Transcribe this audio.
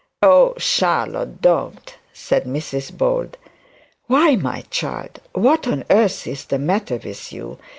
'Oh, Charlotte, don't,' said Mrs Bold. 'Why, my child, what on earth is the matter with you!'